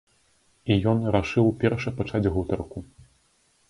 І ён рашыў першы пачаць гутарку.